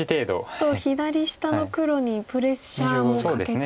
ちょっと左下の黒にプレッシャーもかけつつと。